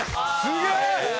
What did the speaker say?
すげえ！